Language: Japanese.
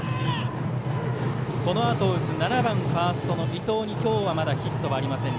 このあとを打つ７番、ファーストの伊藤に今日はまだヒットがありません。